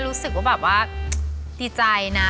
รู้สึกว่าแบบว่าดีใจนะ